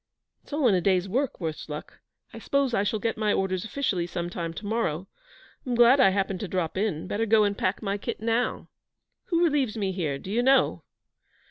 'It's all in the day's work, worse luck. I suppose I shall get my orders officially some time to morrow. I'm glad I happened to drop in. Better go and pack my kit now. Who relieves me here do you know?'